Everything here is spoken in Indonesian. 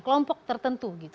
kelompok tertentu gitu